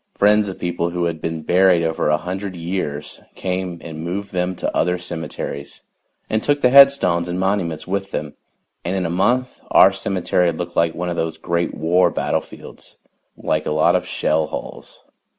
Friends of people who had been buried over a hundred years came and moved them to other cemeteries and took the headstones and monuments with them, and in a month our cemetery looked like one of those Great War battlefields like a lot of shell holes.